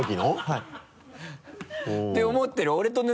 はい。